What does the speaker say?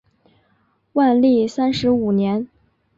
万历三十五年。